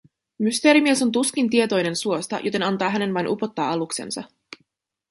Mysteerimies on tuskin tietoinen suosta, joten antaa hänen vain upottaa aluksensa.